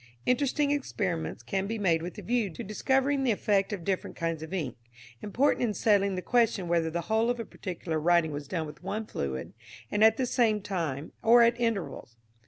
Interesting experiments can be made with a view to discovering the effect of different kinds of ink important in settling the question whether the whole of a particular writing was done with one fluid, and at the same time, or at intervals.